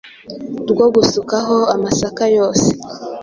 rwo gusukaho amasaka yose